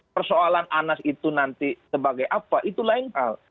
persoalan anas itu nanti sebagai apa itu lain hal